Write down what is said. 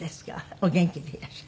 お元気でいらっしゃる？